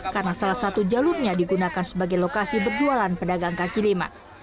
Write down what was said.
karena salah satu jalurnya digunakan sebagai lokasi berjualan pedagang kaki lima